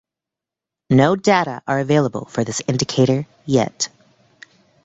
No data are available for this indicator yet.